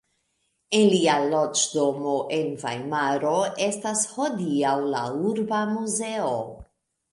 En lia loĝdomo en Vajmaro estas hodiaŭ la Urba muzeo.